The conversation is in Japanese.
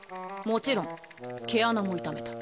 もちろん毛穴も痛めた。